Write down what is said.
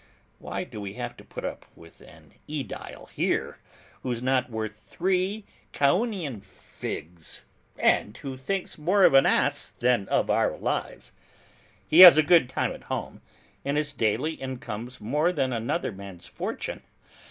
Why do we have to put up with an AEdile here, who's not worth three Caunian figs and who thinks more of an as than of our lives? He has a good time at home, and his daily income's more than another man's fortune.